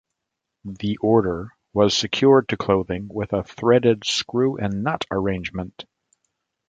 The Order was secured to clothing with a threaded screw and nut arrangement.